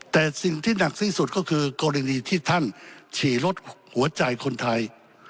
แต่สิ่งที่หนักที่สุดก็คือกรณีที่ท่านฉี่ลดหัวใจคนไทย